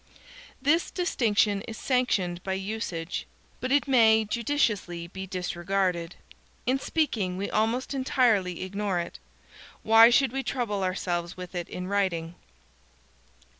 This distinction is sanctioned by usage. But it may judiciously be disregarded. In speaking we almost entirely ignore it. Why should we trouble ourselves with it in writing?